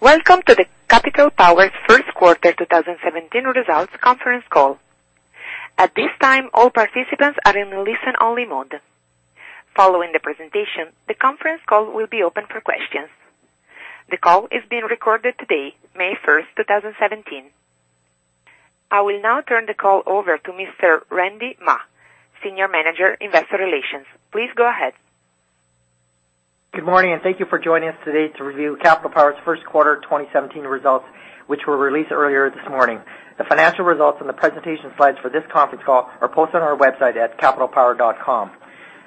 Welcome to Capital Power's first quarter 2017 results conference call. At this time, all participants are in listen-only mode. Following the presentation, the conference call will be open for questions. The call is being recorded today, May 1st, 2017. I will now turn the call over to Mr. Randy Mah, Senior Manager, Investor Relations. Please go ahead. Good morning, thank you for joining us today to review Capital Power's first quarter 2017 results, which were released earlier this morning. The financial results and the presentation slides for this conference call are posted on our website at capitalpower.com.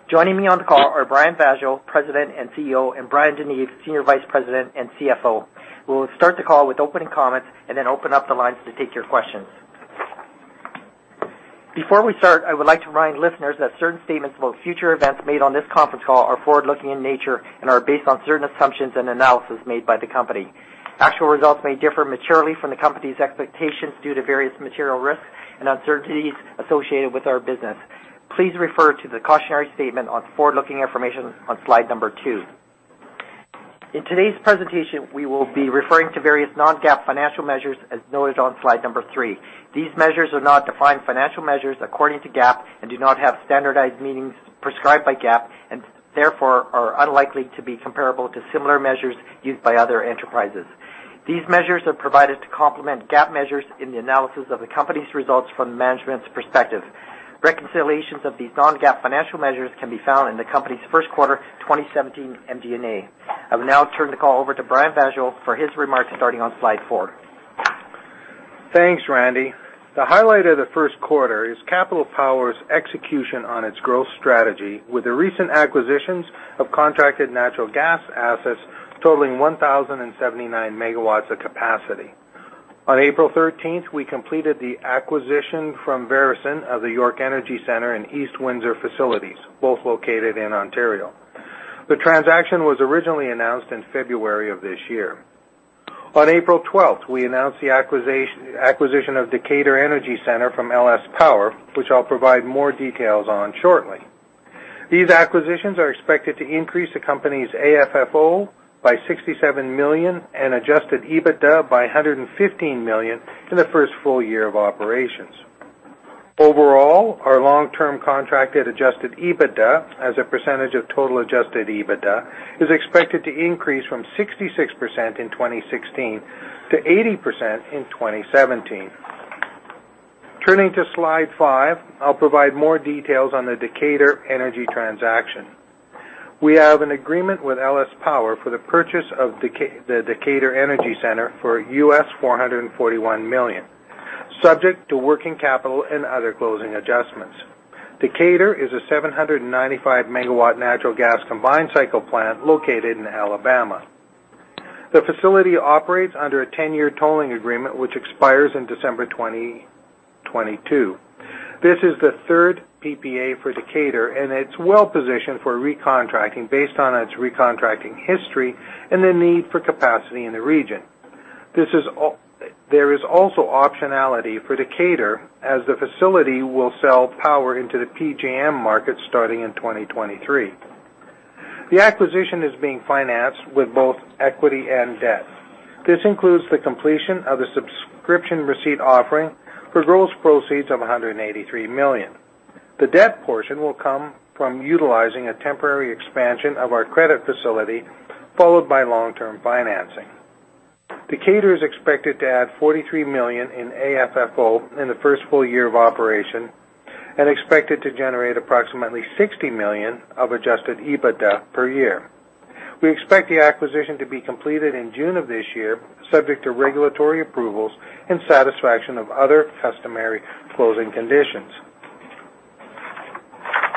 Joining me on the call are Brian Vaasjo, President and CEO, and Bryan DeNeve, Senior Vice President and CFO. We'll start the call with opening comments then open up the lines to take your questions. Before we start, I would like to remind listeners that certain statements about future events made on this conference call are forward-looking in nature and are based on certain assumptions and analysis made by the company. Actual results may differ materially from the company's expectations due to various material risks and uncertainties associated with our business. Please refer to the cautionary statement on forward-looking information on slide number two. In today's presentation, we will be referring to various non-GAAP financial measures, as noted on slide number three. These measures are not defined financial measures according to GAAP and do not have standardized meanings prescribed by GAAP and, therefore, are unlikely to be comparable to similar measures used by other enterprises. These measures are provided to complement GAAP measures in the analysis of the company's results from management's perspective. Reconciliations of these non-GAAP financial measures can be found in the company's first quarter 2017 MD&A. I will now turn the call over to Brian Vaasjo for his remarks, starting on slide four. Thanks, Randy. The highlight of the first quarter is Capital Power's execution on its growth strategy with the recent acquisitions of contracted natural gas assets totaling 1,079 MW of capacity. On April 13th, we completed the acquisition from Veresen of the York Energy Centre and East Windsor facilities, both located in Ontario. The transaction was originally announced in February of this year. On April 12th, we announced the acquisition of Decatur Energy Center from LS Power, which I'll provide more details on shortly. These acquisitions are expected to increase the company's AFFO by 67 million and adjusted EBITDA by 115 million in the first full year of operations. Overall, our long-term contracted adjusted EBITDA as a percentage of total adjusted EBITDA is expected to increase from 66% in 2016 to 80% in 2017. Turning to slide five, I'll provide more details on the Decatur Energy transaction. We have an agreement with LS Power for the purchase of the Decatur Energy Center for US$441 million, subject to working capital and other closing adjustments. Decatur is a 795-megawatt natural gas combined cycle plant located in Alabama. The facility operates under a 10-year tolling agreement which expires in December 2022. This is the third PPA for Decatur, and it's well-positioned for recontracting based on its recontracting history and the need for capacity in the region. There is also optionality for Decatur, as the facility will sell power into the PJM market starting in 2023. The acquisition is being financed with both equity and debt. This includes the completion of the subscription receipt offering for gross proceeds of 183 million. The debt portion will come from utilizing a temporary expansion of our credit facility, followed by long-term financing. Decatur is expected to add 43 million in AFFO in the first full year of operation and expected to generate approximately 60 million of adjusted EBITDA per year. We expect the acquisition to be completed in June of this year, subject to regulatory approvals and satisfaction of other customary closing conditions.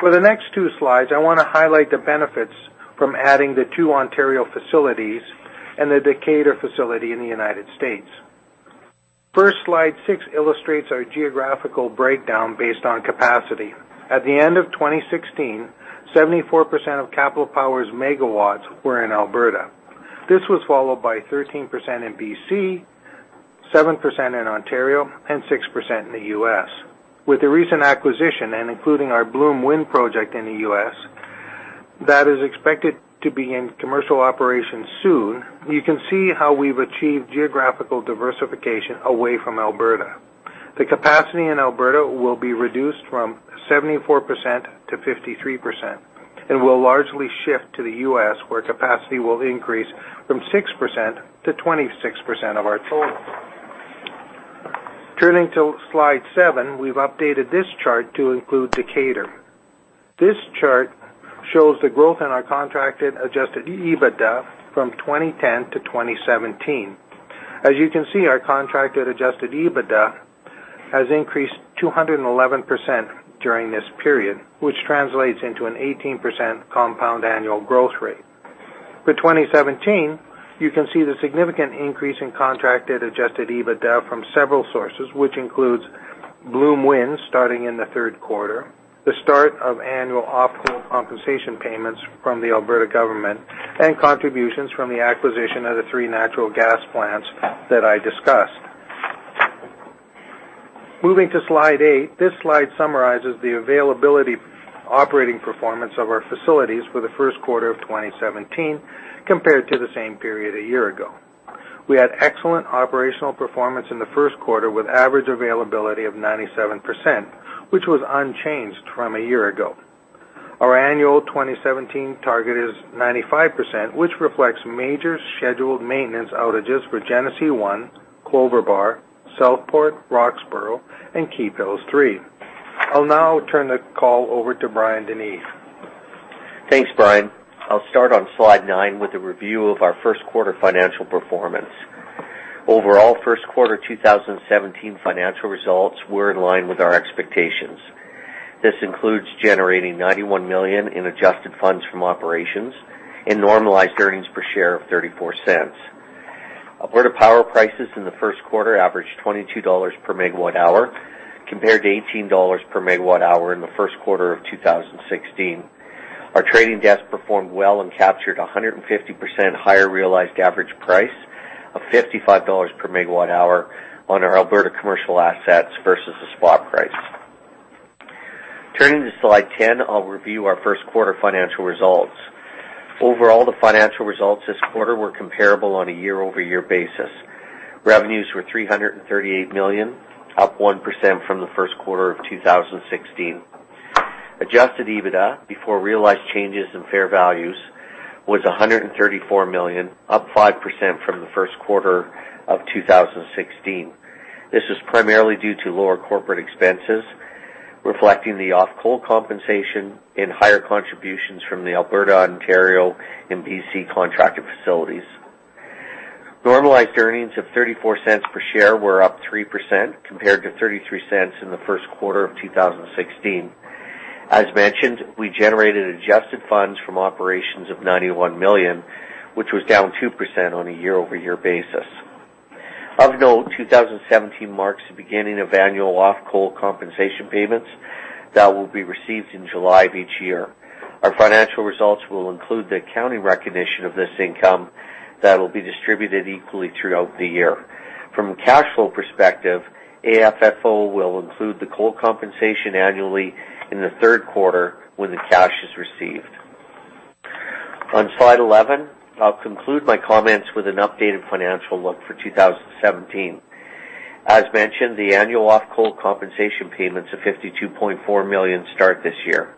For the next two slides, I want to highlight the benefits from adding the two Ontario facilities and the Decatur facility in the U.S. First, slide six illustrates our geographical breakdown based on capacity. At the end of 2016, 74% of Capital Power's megawatts were in Alberta. This was followed by 13% in BC, 7% in Ontario, and 6% in the U.S. With the recent acquisition and including our Bloom Wind project in the U.S. that is expected to be in commercial operation soon, you can see how we've achieved geographical diversification away from Alberta. The capacity in Alberta will be reduced from 74% to 53% and will largely shift to the U.S., where capacity will increase from 6% to 26% of our total. Turning to slide seven, we've updated this chart to include Decatur. This chart shows the growth in our contracted adjusted EBITDA from 2010 to 2017. As you can see, our contracted adjusted EBITDA has increased 211% during this period, which translates into an 18% compound annual growth rate. For 2017, you can see the significant increase in contracted adjusted EBITDA from several sources, which includes Bloom Wind starting in the third quarter, the start of annual off-coal compensation payments from the Alberta government, and contributions from the acquisition of the three natural gas plants that I discussed. Moving to slide eight. This slide summarizes the availability operating performance of our facilities for the first quarter of 2017 compared to the same period a year ago. We had excellent operational performance in the first quarter, with average availability of 97%, which was unchanged from a year ago. Our annual 2017 target is 95%, which reflects major scheduled maintenance outages for Genesee 1, Clover Bar, Southport, Roxboro, and Keephills 3. I'll now turn the call over to Bryan DeNeve. Thanks, Brian. I'll start on slide nine with a review of our first quarter financial performance. Overall, first quarter 2017 financial results were in line with our expectations. This includes generating 91 million in adjusted funds from operations and normalized earnings per share of 0.34. Alberta power prices in the first quarter averaged 22 dollars per megawatt hour, compared to 18 dollars per megawatt hour in the first quarter of 2016. Our trading desk performed well and captured 150% higher realized average price of 55 dollars per megawatt hour on our Alberta commercial assets versus the spot price. Turning to slide 10, I'll review our first quarter financial results. Overall, the financial results this quarter were comparable on a year-over-year basis. Revenues were 338 million, up 1% from the first quarter of 2016. Adjusted EBITDA before realized changes in fair values was 134 million, up 5% from the first quarter of 2016. This is primarily due to lower corporate expenses, reflecting the off-coal compensation and higher contributions from the Alberta, Ontario, and B.C. contracted facilities. Normalized earnings of 0.34 per share were up 3% compared to 0.33 in the first quarter of 2016. As mentioned, we generated adjusted funds from operations of 91 million, which was down 2% on a year-over-year basis. Of note, 2017 marks the beginning of annual off-coal compensation payments that will be received in July of each year. Our financial results will include the accounting recognition of this income that will be distributed equally throughout the year. From a cash flow perspective, AFFO will include the coal compensation annually in the third quarter when the cash is received. On slide 11, I'll conclude my comments with an updated financial look for 2017. As mentioned, the annual off-coal compensation payments of 52.4 million start this year.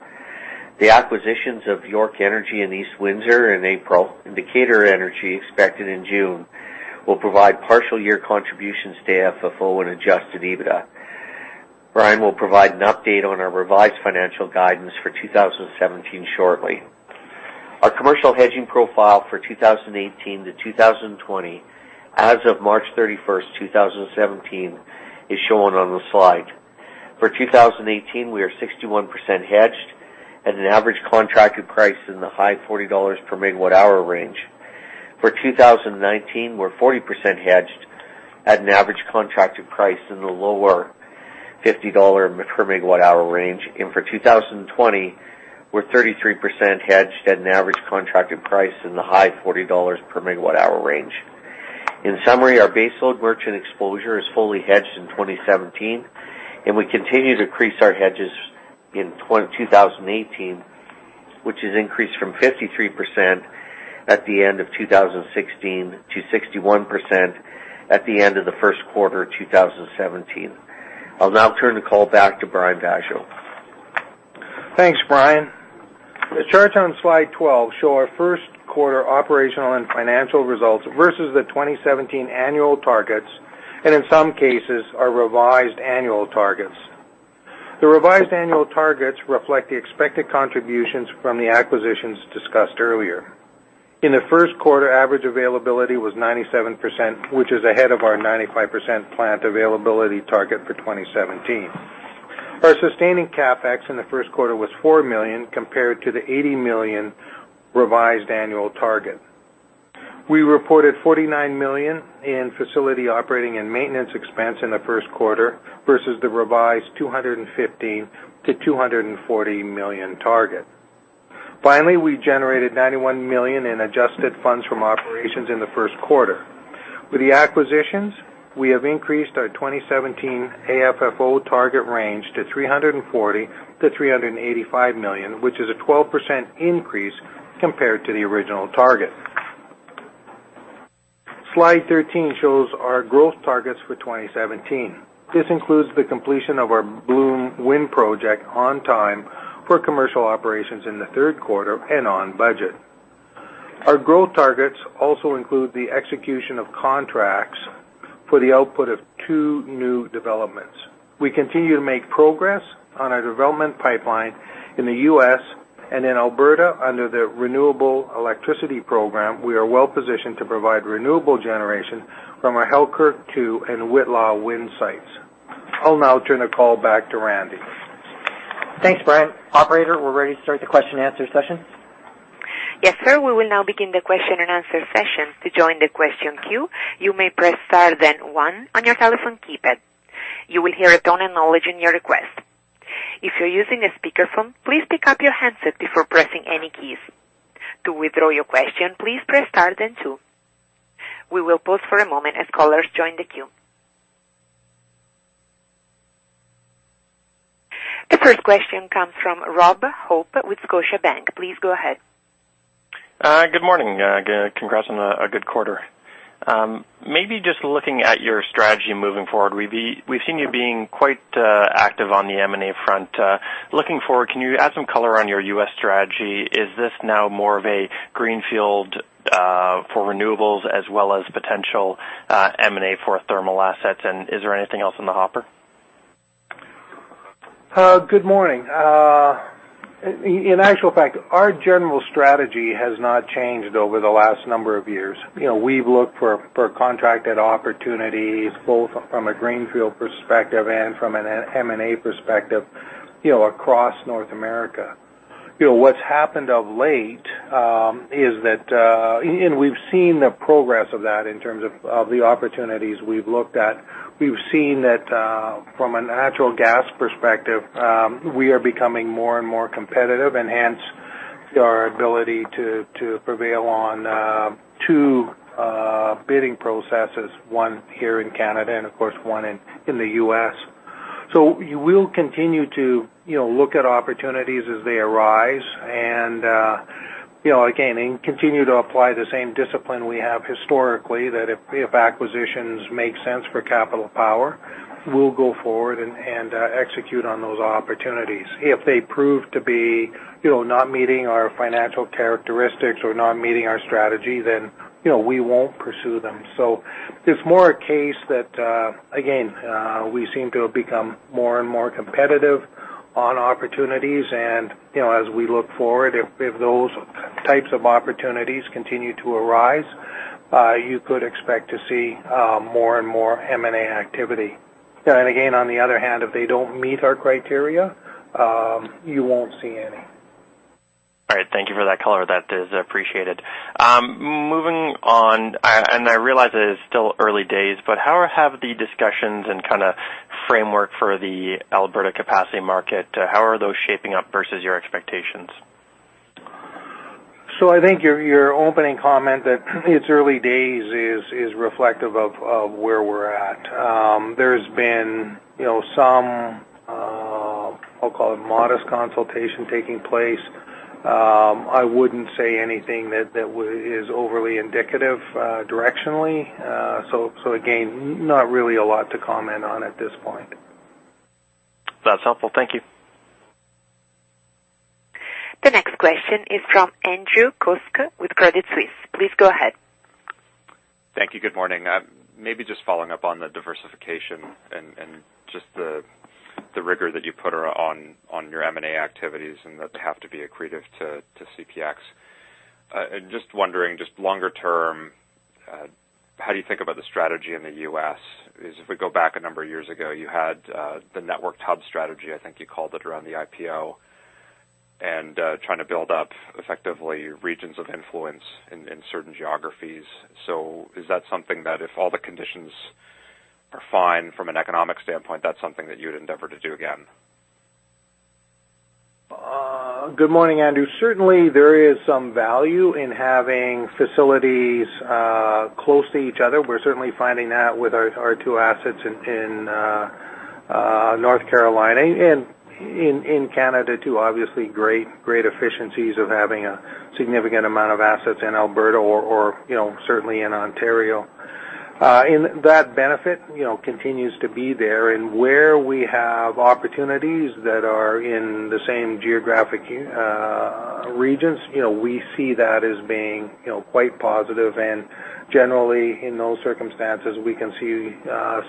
The acquisitions of York Energy in East Windsor in April and Decatur Energy expected in June will provide partial year contributions to AFFO and adjusted EBITDA. Brian will provide an update on our revised financial guidance for 2017 shortly. Our commercial hedging profile for 2018 to 2020 as of March 31st, 2017, is shown on the slide. For 2018, we are 61% hedged at an average contracted price in the high 40 dollars per megawatt hour range. For 2019, we're 40% hedged at an average contracted price in the lower 50 dollar per megawatt hour range. For 2020, we're 33% hedged at an average contracted price in the high 40 dollars per megawatt hour range. In summary, our baseload merchant exposure is fully hedged in 2017, and we continue to increase our hedges in 2018, which has increased from 53% at the end of 2016 to 61% at the end of the first quarter 2017. I'll now turn the call back to Brian Vaasjo. Thanks, Bryan. The charts on slide 12 show our first quarter operational and financial results versus the 2017 annual targets and, in some cases, our revised annual targets. The revised annual targets reflect the expected contributions from the acquisitions discussed earlier. In the first quarter, average availability was 97%, which is ahead of our 95% plant availability target for 2017. Our sustaining CapEx in the first quarter was 4 million, compared to the 80 million revised annual target. We reported 49 million in facility operating and maintenance expense in the first quarter versus the revised 215 million-240 million target. Finally, we generated 91 million in adjusted funds from operations in the first quarter. With the acquisitions, we have increased our 2017 AFFO target range to 340 million-385 million, which is a 12% increase compared to the original target. Slide 13 shows our growth targets for 2017. This includes the completion of our Bloom Wind project on time for commercial operations in the third quarter and on budget. Our growth targets also include the execution of contracts for the output of two new developments. We continue to make progress on our development pipeline in the U.S. and in Alberta under the Renewable Electricity Program, we are well positioned to provide renewable generation from our Halkirk 2 and Whitla wind sites. I'll now turn the call back to Randy. Thanks, Bryan. Operator, we're ready to start the question and answer session. Yes, sir. We will now begin the question and answer session. To join the question queue, you may press star then one on your telephone keypad. You will hear a tone acknowledging your request. If you're using a speakerphone, please pick up your handset before pressing any keys. To withdraw your question, please press star then two. We will pause for a moment as callers join the queue. The first question comes from Robert Hope with Scotiabank. Please go ahead. Good morning. Congrats on a good quarter. Maybe just looking at your strategy moving forward, we've seen you being quite active on the M&A front. Looking forward, can you add some color on your U.S. strategy? Is this now more of a greenfield for renewables as well as potential M&A for thermal assets? Is there anything else in the hopper? Good morning. In actual fact, our general strategy has not changed over the last number of years. We've looked for contracted opportunities both from a greenfield perspective and from an M&A perspective across North America. What's happened of late is that we've seen the progress of that in terms of the opportunities we've looked at. We've seen that from a natural gas perspective, we are becoming more and more competitive, and hence our ability to prevail on two bidding processes, one here in Canada and of course, one in the U.S. We will continue to look at opportunities as they arise and again, continue to apply the same discipline we have historically, that if acquisitions make sense for Capital Power, we'll go forward and execute on those opportunities. If they prove to be not meeting our financial characteristics or not meeting our strategy, we won't pursue them. It's more a case that, again, we seem to have become more and more competitive on opportunities, and as we look forward, if those types of opportunities continue to arise, you could expect to see more and more M&A activity. On the other hand, if they don't meet our criteria, you won't see any. All right. Thank you for that color. That is appreciated. Moving on, and I realize that it's still early days, but how have the discussions and kind of framework for the Alberta capacity market, how are those shaping up versus your expectations? I think your opening comment that it's early days is reflective of where we're at. There's been some, I'll call it modest consultation taking place. I wouldn't say anything that is overly indicative directionally. Again, not really a lot to comment on at this point. That's helpful. Thank you. The next question is from Andrew Kuske with Credit Suisse. Please go ahead. Thank you. Good morning. Maybe just following up on the diversification and just the rigor that you put on your M&A activities and that they have to be accretive to CPX. Just wondering, just longer term, how do you think about the strategy in the U.S.? If we go back a number of years ago, you had the networked hub strategy, I think you called it, around the IPO, and trying to build up effectively regions of influence in certain geographies. Is that something that if all the conditions are fine from an economic standpoint, that's something that you would endeavor to do again? Good morning, Andrew. Certainly, there is some value in having facilities close to each other. We are certainly finding that with our two assets in North Carolina and in Canada, too. Obviously, great efficiencies of having a significant amount of assets in Alberta or certainly in Ontario. That benefit continues to be there. Where we have opportunities that are in the same geographic regions, we see that as being quite positive. Generally, in those circumstances, we can see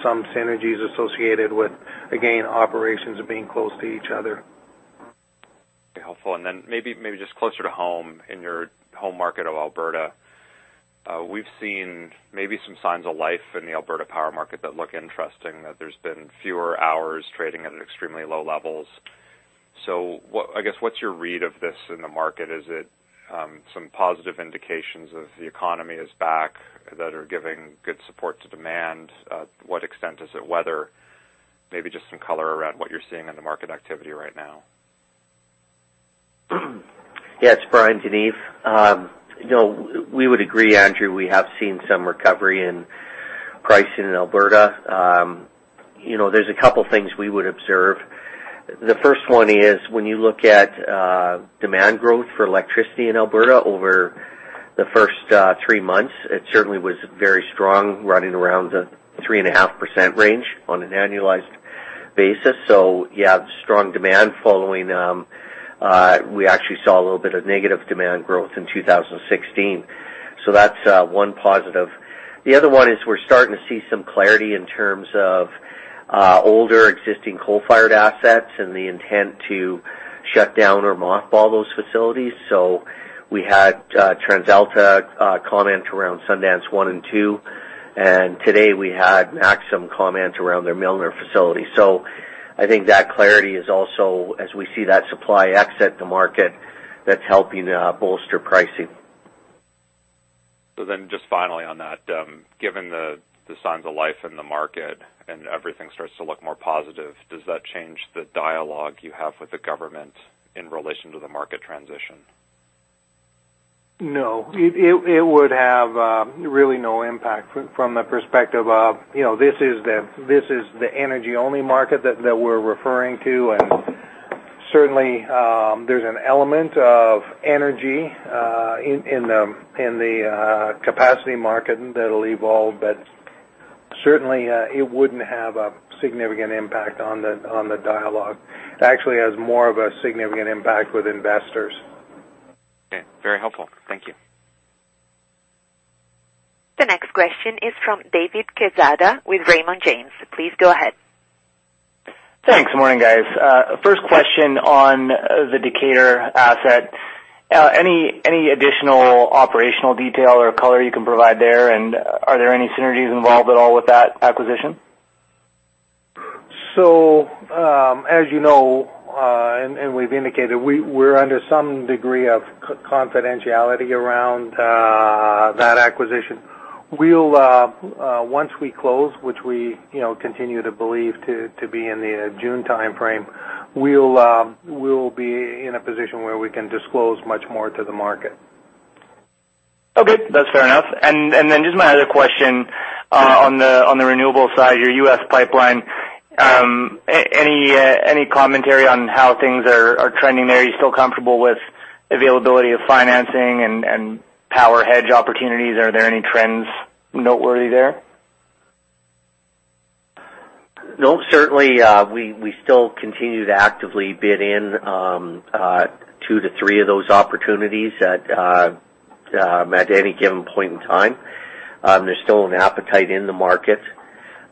some synergies associated with, again, operations being close to each other. Very helpful. Maybe just closer to home, in your home market of Alberta. We have seen maybe some signs of life in the Alberta power market that look interesting, that there has been fewer hours trading at extremely low levels. I guess, what is your read of this in the market? Is it some positive indications of the economy is back that are giving good support to demand? What extent is it weather? Maybe just some color around what you are seeing in the market activity right now. Yes. Bryan DeNeve. We would agree, Andrew. We have seen some recovery in pricing in Alberta. There is a couple things we would observe. The first one is when you look at demand growth for electricity in Alberta over the first three months, it certainly was very strong, running around the 3.5% range on an annualized basis. You have strong demand following. We actually saw a little bit of negative demand growth in 2016. That is one positive. The other one is we are starting to see some clarity in terms of older existing coal-fired assets and the intent to shut down or mothball those facilities. We had TransAlta comment around Sundance one and two, and today we had Maxim comment around their Milner facility. I think that clarity is also as we see that supply exit the market, that is helping bolster pricing. Just finally on that, given the signs of life in the market and everything starts to look more positive, does that change the dialogue you have with the government in relation to the market transition? No, it would have really no impact from the perspective of, this is the energy-only market that we're referring to. Certainly, there's an element of energy in the capacity market that'll evolve. Certainly, it wouldn't have a significant impact on the dialogue. It actually has more of a significant impact with investors. Okay. Very helpful. Thank you. The next question is from David Quezada with Raymond James. Please go ahead. Thanks. Good morning, guys. First question on the Decatur asset. Any additional operational detail or color you can provide there? Are there any synergies involved at all with that acquisition? As you know, and we've indicated, we're under some degree of confidentiality around that acquisition. Once we close, which we continue to believe to be in the June timeframe, we'll be in a position where we can disclose much more to the market. Okay. That's fair enough. Just my other question on the renewable side, your U.S. pipeline. Any commentary on how things are trending there? Are you still comfortable with availability of financing and power hedge opportunities? Are there any trends noteworthy there? No, certainly, we still continue to actively bid in two to three of those opportunities at any given point in time. There's still an appetite in the market.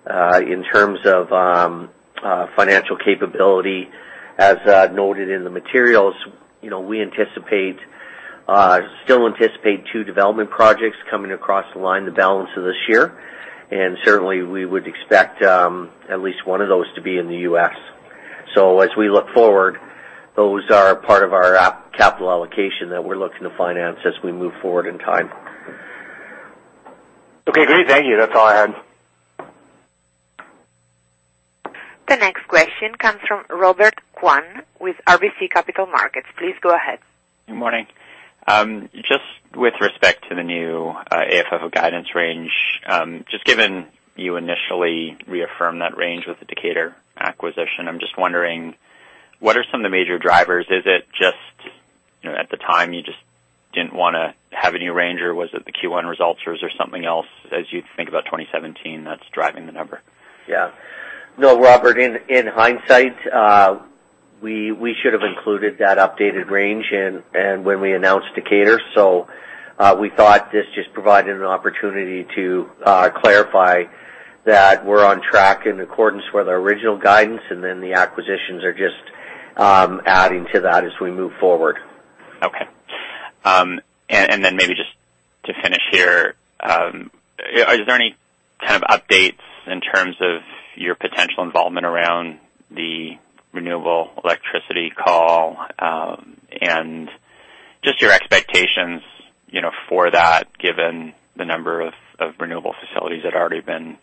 In terms of financial capability, as noted in the materials, we still anticipate two development projects coming across the line the balance of this year. Certainly, we would expect at least one of those to be in the U.S. As we look forward, those are part of our capital allocation that we're looking to finance as we move forward in time. Okay, great. Thank you. That's all I had. The next question comes from Robert Kwan with RBC Capital Markets. Please go ahead. Good morning. Just with respect to the new AFFO guidance range, just given you initially reaffirmed that range with the Decatur acquisition, I'm just wondering, what are some of the major drivers? Is it just at the time you just didn't want to have a new range, or was it the Q1 results, or is there something else as you think about 2017 that's driving the number? Yeah. No, Robert, in hindsight, we should have included that updated range when we announced Decatur. We thought this just provided an opportunity to clarify that we're on track in accordance with our original guidance, and then the acquisitions are just adding to that as we move forward. Okay. Maybe just to finish here, is there any kind of updates in terms of your potential involvement around the renewable electricity call? Just your expectations for that, given the number of renewable facilities that have already been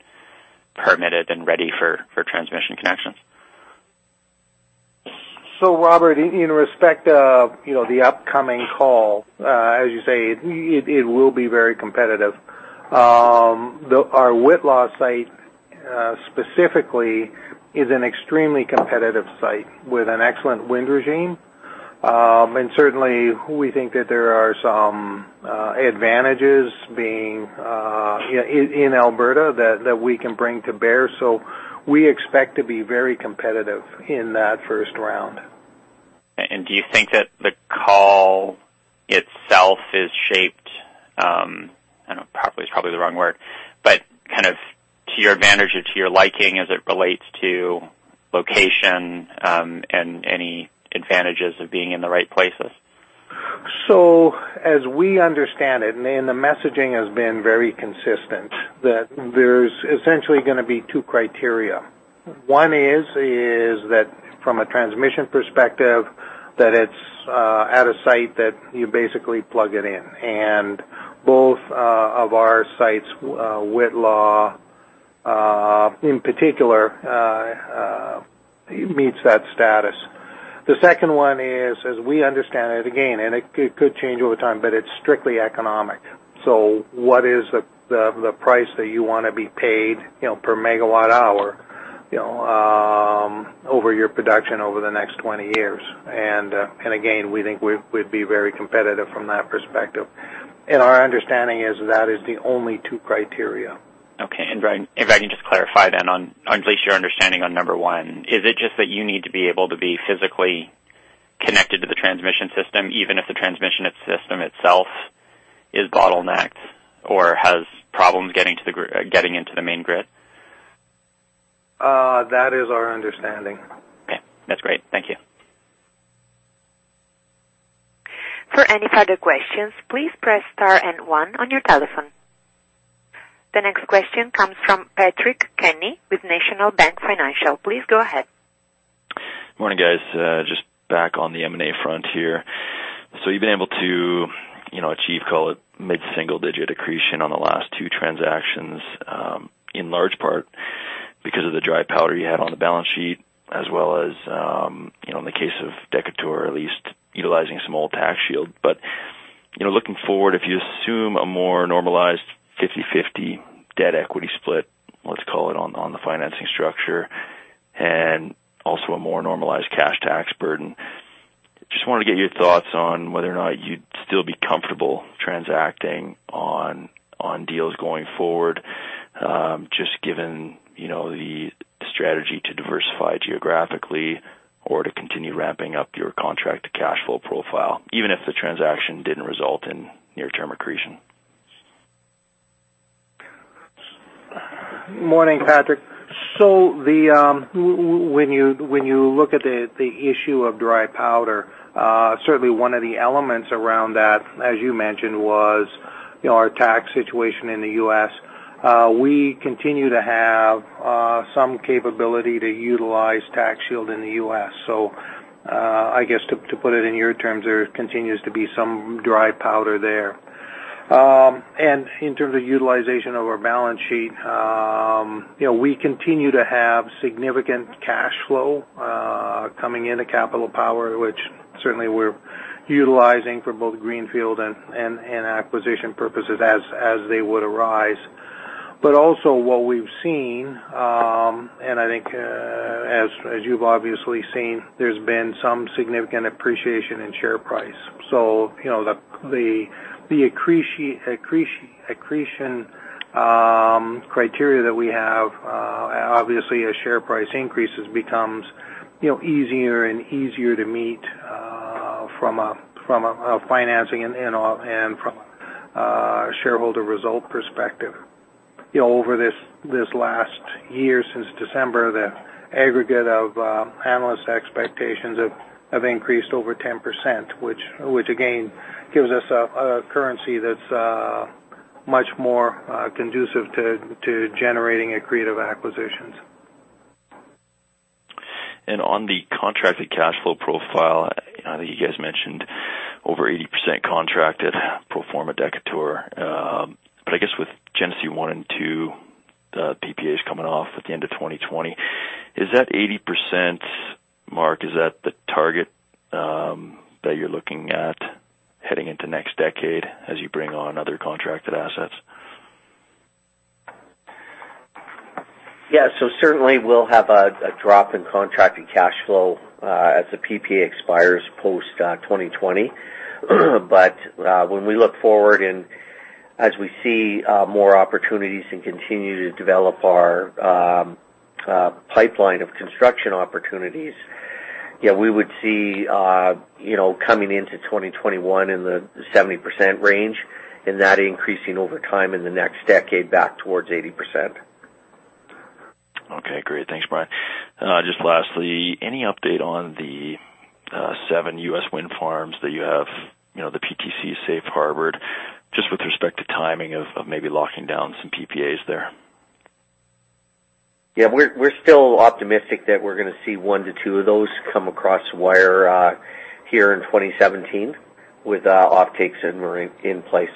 permitted and ready for transmission connections. Robert, in respect of the upcoming call, as you say, it will be very competitive. Our Whitla site, specifically, is an extremely competitive site with an excellent wind regime. Certainly, we think that there are some advantages being in Alberta that we can bring to bear. We expect to be very competitive in that first round. Do you think that the call itself is shaped, probably is the wrong word, but kind of to your advantage or to your liking as it relates to location, and any advantages of being in the right places? As we understand it, and the messaging has been very consistent, that there's essentially going to be two criteria. One is that from a transmission perspective, that it's at a site that you basically plug it in. Both of our sites, Whitla, in particular, meets that status. The second one is, as we understand it again, and it could change over time, but it's strictly economic. What is the price that you want to be paid per megawatt hour, over your production over the next 20 years? Again, we think we'd be very competitive from that perspective. Our understanding is that is the only two criteria. Okay. If I can just clarify then on at least your understanding on number 1. Is it just that you need to be able to be physically connected to the transmission system, even if the transmission system itself is bottlenecked or has problems getting into the main grid? That is our understanding. Okay. That's great. Thank you. For any further questions, please press star and one on your telephone. The next question comes from Patrick Kenny with National Bank Financial. Please go ahead. Morning, guys. Just back on the M&A front here. You've been able to achieve, call it, mid-single-digit accretion on the last two transactions, in large part because of the dry powder you had on the balance sheet, as well as, in the case of Decatur at least, utilizing some old tax shield. Looking forward, if you assume a more normalized 50/50 debt equity split, let's call it, on the financing structure, and also a more normalized cash tax burden, just wanted to get your thoughts on whether or not you'd still be comfortable transacting on deals going forward, just given the strategy to diversify geographically or to continue ramping up your contract to cash flow profile, even if the transaction didn't result in near-term accretion. Morning, Patrick. When you look at the issue of dry powder, certainly one of the elements around that, as you mentioned, was our tax situation in the U.S. We continue to have some capability to utilize tax shield in the U.S. I guess to put it in your terms, there continues to be some dry powder there. In terms of utilization of our balance sheet, we continue to have significant cash flow coming into Capital Power, which certainly we're utilizing for both greenfield and acquisition purposes as they would arise. Also what we've seen, and I think as you've obviously seen, there's been some significant appreciation in share price. The accretion criteria that we have, obviously as share price increases, becomes easier and easier to meet from a financing and from a shareholder result perspective. Over this last year since December, the aggregate of analysts' expectations have increased over 10%, which again, gives us a currency that's much more conducive to generating accretive acquisitions. On the contracted cash flow profile, I know that you guys mentioned over 80% contracted pro forma Decatur. I guess with Genesee 1 and 2 PPAs coming off at the end of 2020, is that 80% mark, is that the target that you're looking at heading into next decade as you bring on other contracted assets? Yeah. Certainly we'll have a drop in contracted cash flow as the PPA expires post 2020. When we look forward and as we see more opportunities and continue to develop our pipeline of construction opportunities, we would see, coming into 2021 in the 70% range and that increasing over time in the next decade back towards 80%. Okay, great. Thanks, Bryan. Just lastly, any update on the seven U.S. wind farms that you have, the PTC safe harbored, just with respect to timing of maybe locking down some PPAs there? Yeah. We're still optimistic that we're going to see one to two of those come across wire here in 2017 with offtakes in place.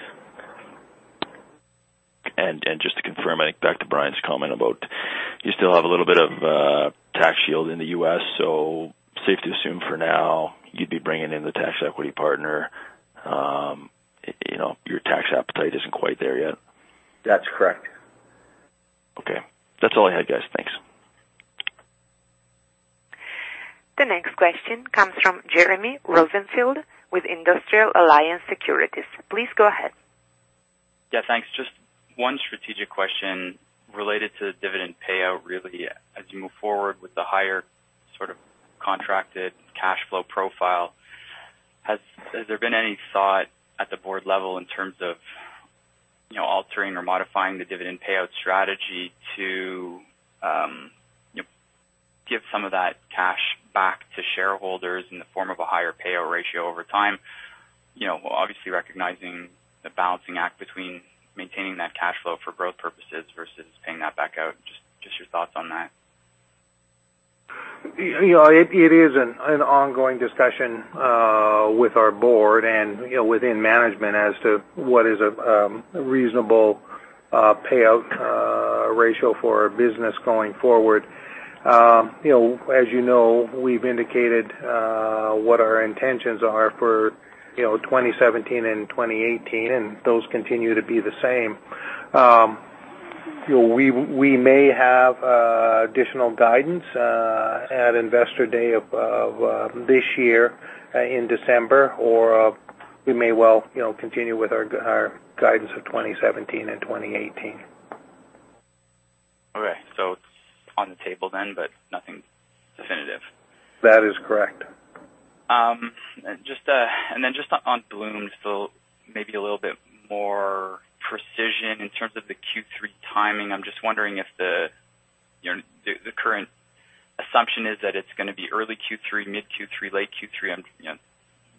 Just to confirm, I think back to Bryan's comment about you still have a little bit of tax shield in the U.S., safe to assume for now you'd be bringing in the tax equity partner. Your tax appetite isn't quite there yet? That's correct. Okay. That's all I had, guys. Thanks. The next question comes from Jeremy Rosenfield with Industrial Alliance Securities. Please go ahead. Yeah, thanks. Just one strategic question related to dividend payout, really, as you move forward with the higher sort of contracted cash flow profile. Has there been any thought at the board level in terms of altering or modifying the dividend payout strategy to give some of that cash back to shareholders in the form of a higher payout ratio over time? Obviously recognizing the balancing act between maintaining that cash flow for growth purposes versus paying that back out. Just your thoughts on that. It is an ongoing discussion with our board and within management as to what is a reasonable payout ratio for our business going forward. As you know, we've indicated what our intentions are for 2017 and 2018, and those continue to be the same. We may have additional guidance at Investor Day of this year in December, or we may well continue with our guidance of 2017 and 2018. Okay. It's on the table, but nothing definitive. That is correct. Just on Bloom, maybe a little bit more precision in terms of the Q3 timing. I'm just wondering if the current assumption is that it's going to be early Q3, mid Q3, late Q3.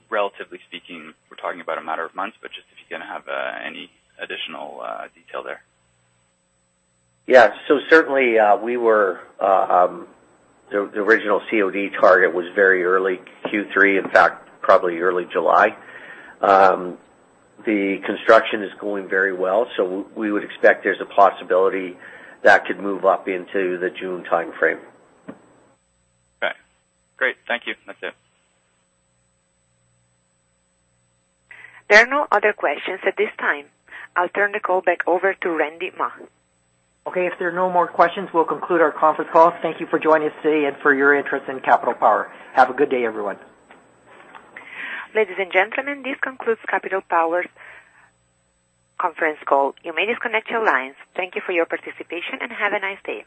Relatively speaking, we're talking about a matter of months, but just if you're going to have any additional detail there. Certainly, the original COD target was very early Q3, in fact, probably early July. The construction is going very well, we would expect there's a possibility that could move up into the June timeframe. Okay, great. Thank you. That's it. There are no other questions at this time. I'll turn the call back over to Randy Mah. Okay, if there are no more questions, we'll conclude our conference call. Thank you for joining us today and for your interest in Capital Power. Have a good day, everyone. Ladies and gentlemen, this concludes Capital Power's conference call. You may disconnect your lines. Thank you for your participation, and have a nice day.